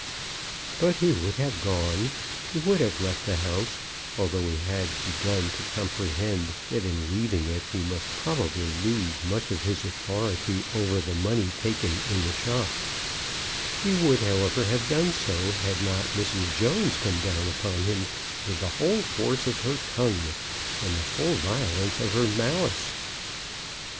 But he would have gone; he would have left the house, although he had begun to comprehend that in leaving it he must probably lose much of his authority over the money taken in the shop; he would, however, have done so, had not Mrs. Jones come down upon him with the whole force of her tongue, and the full violence of her malice.